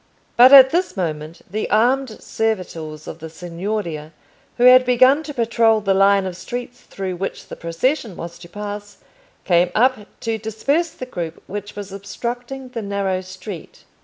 But at this moment the armed servitors of the Signoria, who had begun to patrol the line of streets through which the procession was to pass, came up to disperse the group which was obstructing the narrow street.